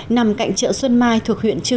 nằm cạnh chợ xuân mai thuộc huyện hồ chí minh